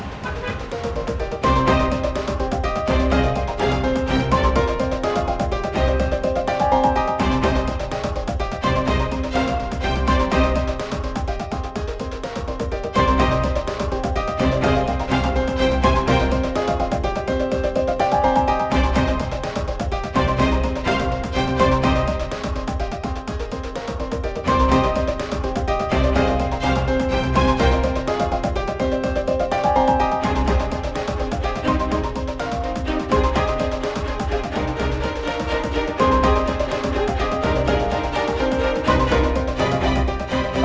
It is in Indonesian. t tunjuk dulu dong